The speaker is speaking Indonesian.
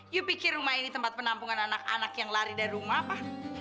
yuk pikir rumah ini tempat penampungan anak anak yang lari dari rumah pak